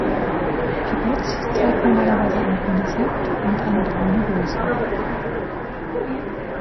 Pipette trägt normalerweise ein grünes Hemd und eine braune Hose.